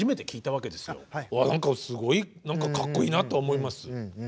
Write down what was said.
わあ何かすごい何かかっこいいなと思います。